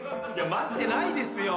待ってないですよ。